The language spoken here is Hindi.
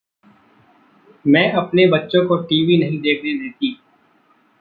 मैं अपने बच्चों को टीवी नहीं देखने देती।